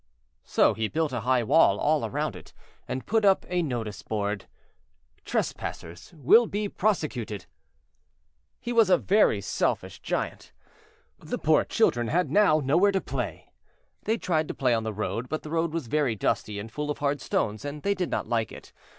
So he built a high wall all round it, and put up a notice board. TRESPASSERS WILL BE PROSECUTED He was a very selfish Giant. The poor children had now nowhere to play. They tried to play on the road, but the road was very dusty and full of hard stones, and they did not like it.